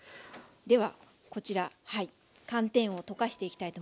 ではこちらはい寒天を溶かしていきたいと思います。